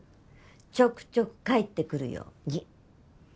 ちょくちょく帰ってくるように。